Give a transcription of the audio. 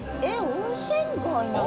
温泉街なの？